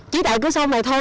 chỉ đại cửa sông này thôi